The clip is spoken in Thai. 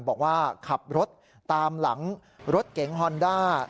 บอกว่าขับรถตามหลังรถเก๋งฮอนด้า